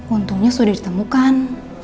untungnya sudah ditemukan